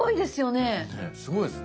ねっすごいですね。